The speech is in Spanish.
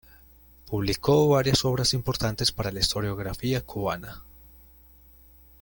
Publicó varias obras importantes para la historiografía cubana.